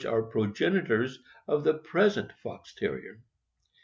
are the progenitors of the present Fox Terrier.